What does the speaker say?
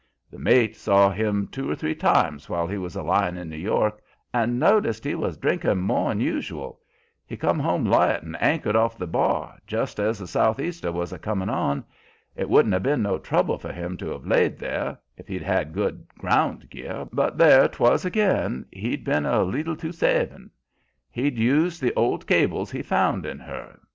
The mate saw him two or three times while he was a lyin' in New York, and noticed he was drinkin' more 'n usual. He come home light and anchored off the bar, just as a southeaster was a comin' on. It wouldn't 'a' been no trouble for him to have laid there, if he'd had good ground gear; but there 'twas ag'in, he'd been a leetle too savin'. He'd used the old cables he found in her.